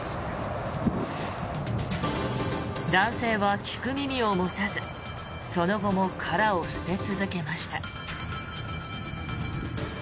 男性は聞く耳を持たずその後も殻を捨て続けました。